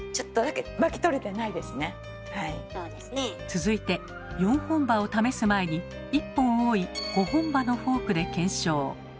続いて４本歯を試す前に１本多い５本歯のフォークで検証。